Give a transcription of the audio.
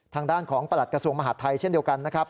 ทางด้านของประหลัดกระทรวงมหาดไทยเช่นเดียวกันนะครับ